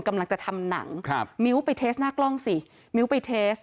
กำลังจะทำหนังครับมิ้วไปเทสหน้ากล้องสิมิ้วไปเทส